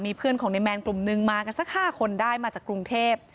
เพื่อนของในแมนกลุ่มนึงมากันสัก๕คนได้มาจากกรุงเทพ